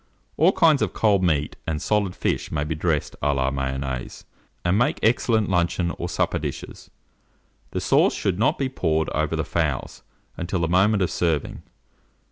All kinds of cold meat and solid fish may be dressed à la Mayonnaise, and make excellent luncheon or supper dishes. The sauce should not be poured over the fowls until the moment of serving.